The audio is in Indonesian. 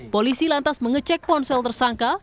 polisi lantas mengecek ponsel tersangka